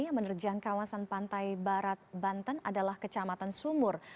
yang menerjang kawasan pantai barat banten adalah kecamatan sumur